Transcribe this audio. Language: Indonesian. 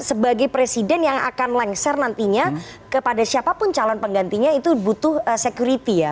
sebagai presiden yang akan lengser nantinya kepada siapapun calon penggantinya itu butuh security ya